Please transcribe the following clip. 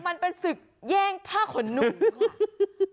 มันเป็นศึกแย่งผ้าขนหนู